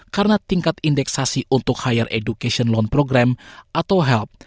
karena tingkat indeksasi untuk higher education loan program atau help